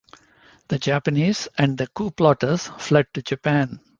The Japanese and the coup plotters fled to Japan.